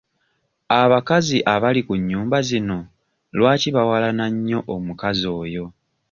Abakazi abali ku nnyumba zino lwaki bawalana nnyo omukazi oyo?